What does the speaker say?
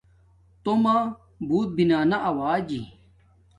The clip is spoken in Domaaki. تومہ بوت بنانا آوجی